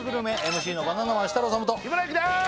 ＭＣのバナナマン設楽統と日村勇紀です